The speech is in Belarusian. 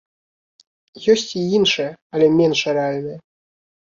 Ёсць і іншыя, але менш рэальныя.